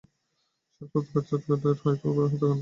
সরকার উৎখাত, চটকদার হাই-প্রোফাইল হত্যাকাণ্ড।